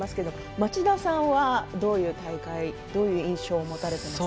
町田さんはどういう大会という印象を持たれてますか。